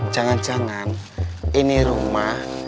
jangan jangan ini rumah